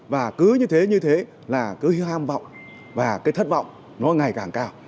và cứ như thế như thế là cứ ham vọng và cái thất vọng nó ngày càng cao